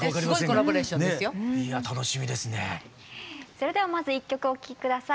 それではまず１曲お聴き下さい。